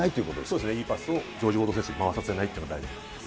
そうですね、いいパスをジョージ・フォード選手に回させないということが大事です。